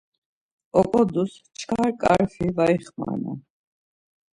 Oǩodus çkar ǩafri var ixmanan.